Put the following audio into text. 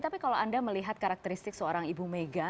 tapi kalau anda melihat karakteristik seorang ibu mega